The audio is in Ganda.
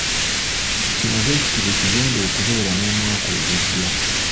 Kino bwekiti bwekigenda okubeera n'omwaka ogujja.